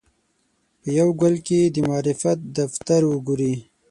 په یوه ګل کې دې د معرفت دفتر وګوري.